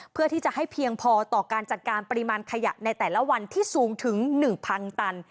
เพื่อที่จะให้เพียงพอต่อการจัดการปริมาณขยะในแต่ละวันที่สูงถึง๑๐๐๐ตัน